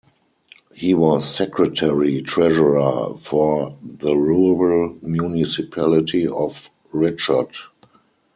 He was secretary-treasurer for the Rural Municipality of Ritchot.